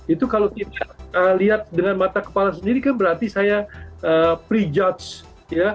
itu kalau tidak lihat dengan mata kepala sendiri kan berarti saya prejudge ya